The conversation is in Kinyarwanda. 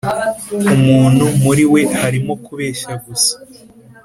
umuntu muri we harimo kubeshya gusa